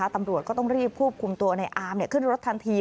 ตำรวจก็ต้องรีบควบคุมตัวในอาร์มขึ้นรถทันที